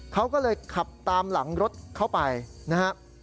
เขาก็เลยขับตามหลังรถเข้าไปนะครับ